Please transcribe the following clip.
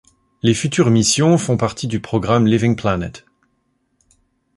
Les futures missions font partie du programme Living Planet.